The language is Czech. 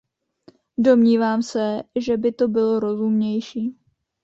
Domnívám se, že by to bylo rozumnější.